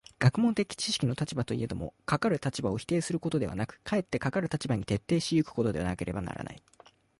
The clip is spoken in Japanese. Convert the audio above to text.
学問的知識の立場といえども、かかる立場を否定することではなく、かえってかかる立場に徹底し行くことでなければならない。